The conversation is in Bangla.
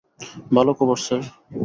ভালো খবর স্যার।